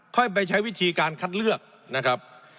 ค่อยไปใช้วิธีการคัดเลือกนะครับ